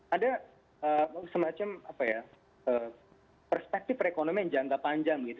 ada semacam perspektif ekonomi yang jangka panjang gitu